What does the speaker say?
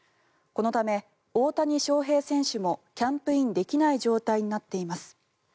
このため大谷翔平選手もキャンプインできない状態になっています。